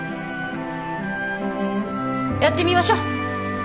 やってみましょ。